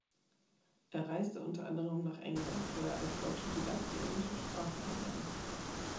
Er reiste unter anderem nach England, wo er als Autodidakt die englische Sprache erlernt.